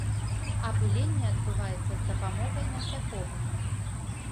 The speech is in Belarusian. Апыленне адбываецца з дапамогай насякомых.